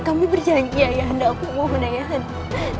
kami berjanji ayahanda aku mohon ayahanda